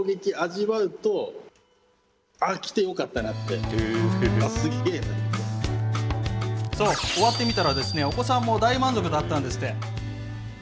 そう、終わってみたらお子さんも大満足だったんですって。